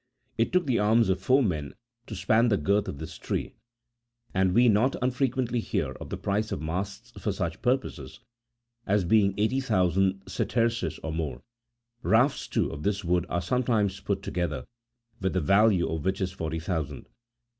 It took the arms of four men to span the girth of this tree, and we not unfrequently hear of the price of masts for such purposes, as being eighty thousand sesterces or more : rafts, too, of this wood are sometimes put together, the value of which is forty thousand.